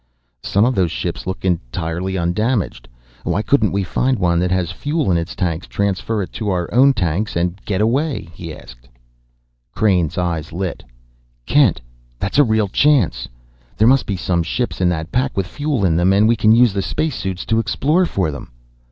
"Some of those ships look entirely undamaged. Why couldn't we find one that has fuel in its tanks, transfer it to our own tanks, and get away?" he asked. Crain's eyes lit. "Kent, that's a real chance! There must be some ships in that pack with fuel in them, and we can use the space suits to explore for them!"